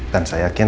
dan saya yakin